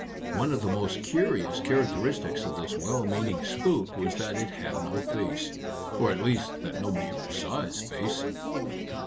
One of the most curious characteristics of this well meaning spook was that it had no face or at least that nobody ever saw its face."